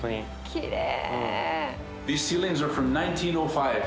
きれい。